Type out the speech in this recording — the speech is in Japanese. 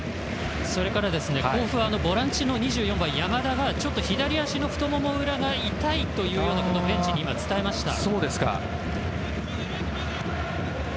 甲府はボランチの２４番、山田が左足の太もも裏が痛いということをベンチに伝えました。